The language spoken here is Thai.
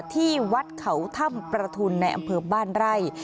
ที่วัดเขาถ้ำประทุนในอำเภอบ้านไร่